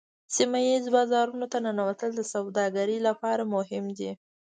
سیمه ایزو بازارونو ته ننوتل د سوداګرۍ لپاره مهم دي